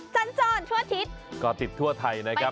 สัญจรทั่วอาทิตย์ก็ติดทั่วไทยนะครับ